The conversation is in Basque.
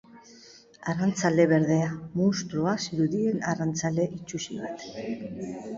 Arrantzale berdea: munstroa zirudien arrantzale itsusi bat.